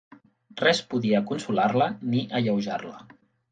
Res podia consolar-la ni alleujar-la